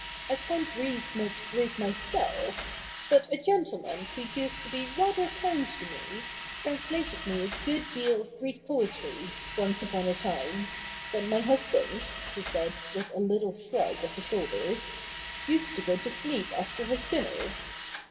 I can't read much Greek myself : but a gentleman who used to be rather kind to me, translated me a good deal of Greek poetry, once upon a time — when my husband,' she said, with a little shrug of the shoulders, ' used to go to sleep after his dinner.'